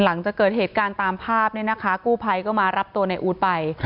หลังจากเกิดเหตุการณ์ตามภาพเนี่ยนะคะกู้ภัยก็มารับตัวในอู๊ดไป